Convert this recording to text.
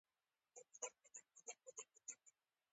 پخوا نېشنلېزم ته سپکاوی کېده.